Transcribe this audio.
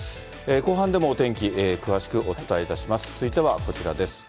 後半でもお天気、詳しくお伝えいたします。